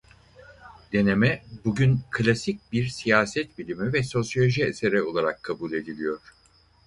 Deneme bugün klasik bir siyaset bilimi ve sosyoloji eseri olarak kabul ediliyor.